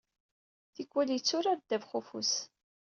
Tikwal yetturar ddabex-ufus.